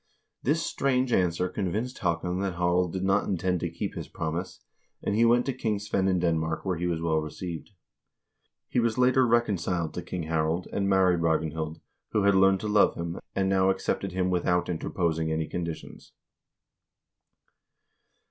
This strange answer convinced Haakon that Harald did not intend to keep his promise, and he went to King Svein in Denmark, where he was well received. He was later recon ciled to King Harald, and married Ragnhild, who had learned to love him, and now accepted him without interposing any conditions.